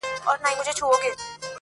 نر يم، نه در وزم!